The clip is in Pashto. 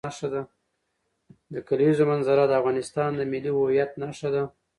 د کلیزو منظره د افغانستان د ملي هویت نښه ده.